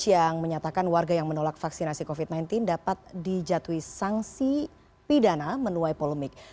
yang menyatakan warga yang menolak vaksinasi covid sembilan belas dapat dijatuhi sanksi pidana menuai polemik